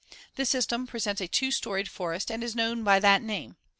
This system presents a "two storied" forest and is known by that name.